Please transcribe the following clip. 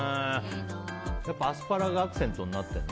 やっぱアスパラがアクセントになってるの？